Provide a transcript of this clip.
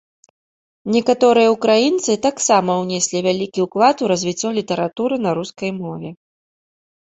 Некаторыя ўкраінцы таксама ўнеслі вялікі ўклад у развіццё літаратуры на рускай мове.